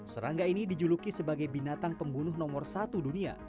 serangga ini dijuluki sebagai binatang pembunuh nomor satu dunia